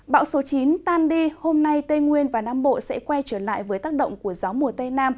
bão số chín tan đi hôm nay tây nguyên và nam bộ sẽ quay trở lại với tác động của gió mùa tây nam